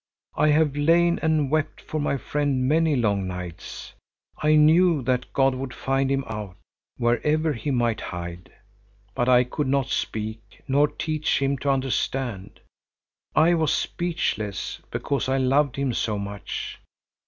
I have lain and wept for my friend many long nights. I knew that God would find him out, wherever he might hide. But I could not speak, nor teach him to understand. I was speechless, because I loved him so much.